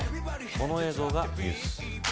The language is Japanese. この映像がニュース。